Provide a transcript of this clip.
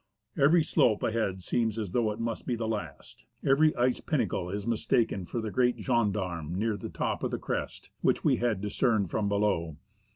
Every slope ahead seems as though it must be the last ; every ice pinnacle is mistaken for the great gendarme near the top of the crest which we had discerned from below.